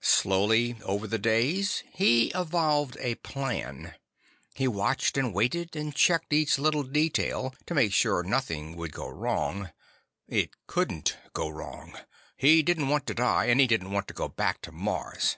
Slowly, over the days, he evolved a plan. He watched and waited and checked each little detail to make sure nothing would go wrong. It couldn't go wrong. He didn't want to die, and he didn't want to go back to Mars.